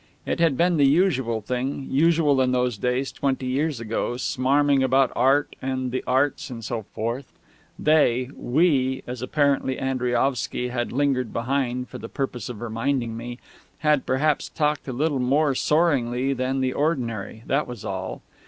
It had been the usual thing, usual in those days, twenty years ago smarming about Art and the Arts and so forth. They "we," as apparently Andriaovsky had lingered behind for the purpose of reminding me had perhaps talked a little more soaringly than the ordinary, that was all.